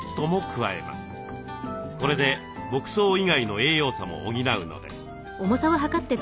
これで牧草以外の栄養素も補うのです。